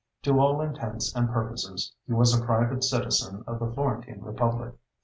To all intents and purposes he was a private citizen of the Florentine republic.